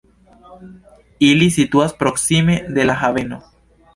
Ili situas proksime de la haveno.